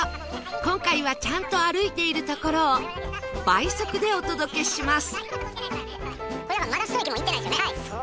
今回はちゃんと歩いているところを倍速でお届けします